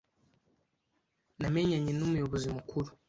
Namenyanye numuyobozi mukuru.